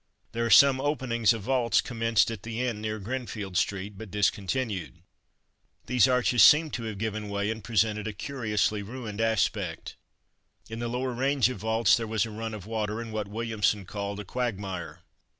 There are some openings of vaults commenced at the end near Grinfield Street, but discontinued. These arches seem to have given way and presented a curiously ruined aspect. In the lower range of vaults there was a run of water and what Williamson called "a quagmire."